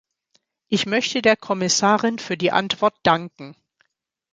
Ich möchte der Kommissarin für die Antwort danken.